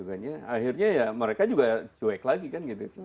akhirnya ya mereka juga cuek lagi kan gitu